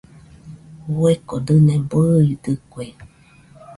Fueko dɨne bɨidɨkue.